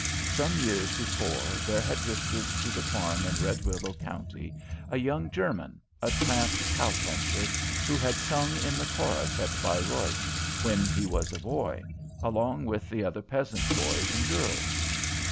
Some years before there had drifted to the farm in Red Willow County a young German, a tramp cow puncher, who had sung in the chorus at Bayreuth when he was a boy, along with the other peasant boys and girls.